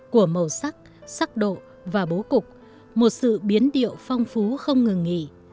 của màu sắc sắc độ và bố cục một sự biến điệu phong phú không ngừng nghỉ